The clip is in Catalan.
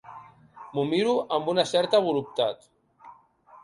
M'ho miro amb una certa voluptat.